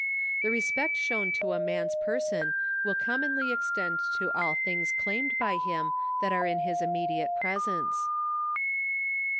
The respect shown to a man's person will commonly extend to all things claimed by him that are in his immediate presence.